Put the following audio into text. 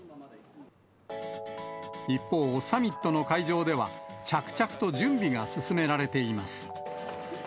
一方、サミットの会場では着々と準備が進められています。